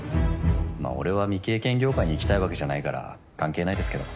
まあ俺は未経験業界にいきたいわけじゃないから関係ないですけど。